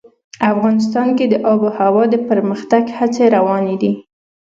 افغانستان کې د آب وهوا د پرمختګ هڅې روانې دي.